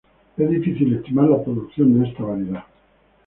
Es difícil estimar la producción de esta variedad.